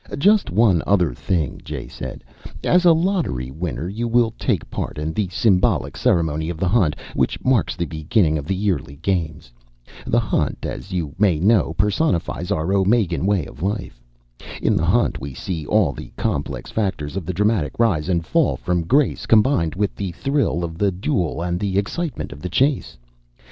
"Just one other thing," Jay said. "As a Lottery winner, you will take part in the symbolic ceremony of the Hunt, which marks the beginning of the yearly Games. The Hunt, as you may know, personifies our Omegan way of life. In the Hunt we see all the complex factors of the dramatic rise and fall from grace, combined with the thrill of the duel and the excitement of the chase.